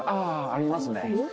ありますね。